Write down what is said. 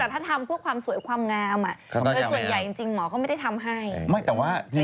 แต่ถ้าทำเพื่อความสวยความงามโดยส่วนใหญ่จริงหมอก็ไม่ได้ทำให้แต่ว่า